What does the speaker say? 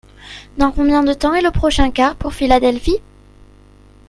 Dans combien de temps est le prochain car pour Philadelphie ?